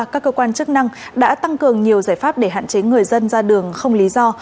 các cơ quan chức năng đã tăng cường nhiều giải pháp để hạn chế người dân ra đường không lý do